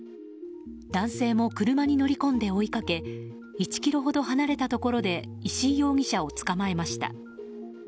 男性も車に乗り込んで追いかけ１ｋｍほど離れたところで石井容疑者を捕まえました。